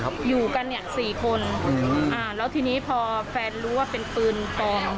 หยิบมีดเพื่อที่แฟนก้มลง